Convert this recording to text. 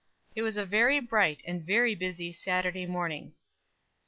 It was a very bright and very busy Saturday morning.